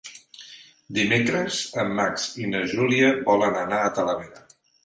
Dimecres en Max i na Júlia volen anar a Talavera.